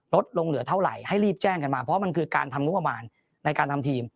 ลดลงเหลือเท่าไหร่ให้รีบแจ้งกันมาเพราะมันคือการทำงบประมาณในการทำทีม